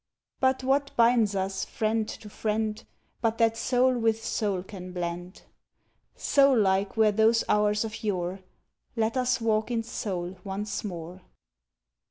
But what binds us, friend to friend, But that soul with soul can blend? Soul like were those hours of yore; Let us walk in soul once more.